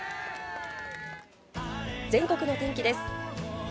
全国の天気です。